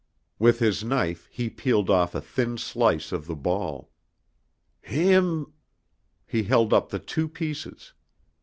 With his knife he peeled off a thin slice of the ball. "Heem " He held up the two pieces.